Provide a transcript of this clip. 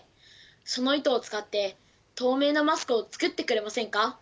その糸を使って透明なマスクを作ってくれませんか？